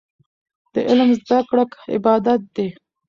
د علم زده کړه عبادت دی.